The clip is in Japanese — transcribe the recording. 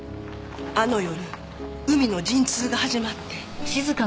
あの夜海の陣痛が始まって。